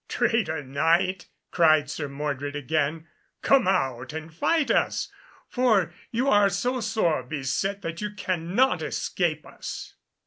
"Traitor Knight," cried Sir Mordred again, "come out and fight us, for you are so sore beset that you cannot escape us."